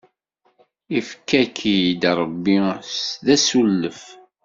Ifka-k-id Ṛebbi d asulef!